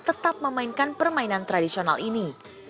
tetap memainkan permainan tradisional ini